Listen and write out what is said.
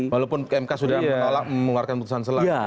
walaupun pmk sudah mengeluarkan putusan selanjutnya